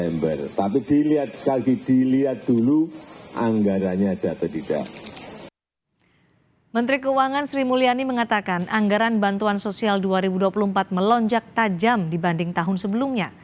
menteri keuangan sri mulyani mengatakan anggaran bantuan sosial dua ribu dua puluh empat melonjak tajam dibanding tahun sebelumnya